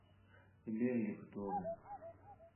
د بېلګې په توګه